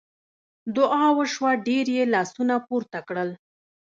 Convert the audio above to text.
دعا وشوه ډېر یې لاسونه پورته کړل.